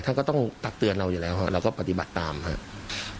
ท่านก็ต้องตักเตือนเราอยู่แล้วเราก็ปฏิบัติตามครับ